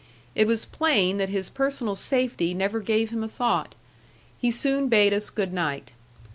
It was plain that his personal safety never gave him a thought. He soon bade us good night.